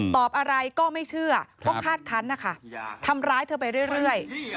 ตอบอะไรก็ไม่เชื่อก็คาดคันนะคะทำร้ายเธอไปเรื่อย